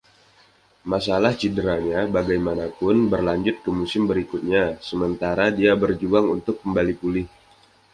Masalah cederanya, bagaimanapun, berlanjut ke musim berikutnya sementara dia berjuang untuk kembali pulih.